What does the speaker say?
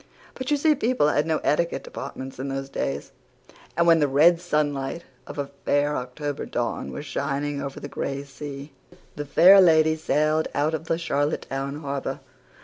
But you see people had no etiquette departments in those days. And when the red sunlight of a fair October dawn was shining over the gray sea The Fair Lady sailed out of Charlottetown harbour.